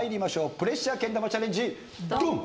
プレッシャーけん玉チャレンジドン！